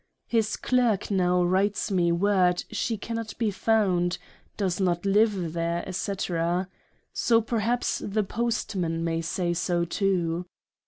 His clerk now writes me word she cannot be found does not live there, &c. So perhaps the Postman may say so too.